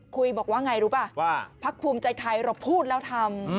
คุยบอกว่าไงรู้ป่ะว่าพักภูมิใจไทยเราพูดแล้วทำ